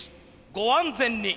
ご安全に！」。